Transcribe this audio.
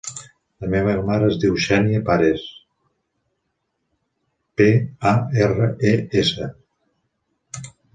La meva mare es diu Xènia Pares: pe, a, erra, e, essa.